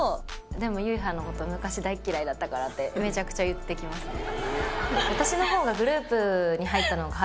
「でもゆいはんのこと昔大嫌いだったから」ってめちゃくちゃ言ってきますね。